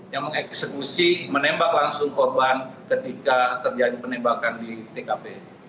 yang mengeksekusi menembak langsung korban ketika terjadi penembakan di tkp